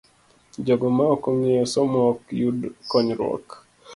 Jogo ma ok ong'eyo somo ok yud konyruok.